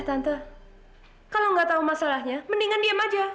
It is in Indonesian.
tante kalau nggak tahu masalahnya mendingan diam aja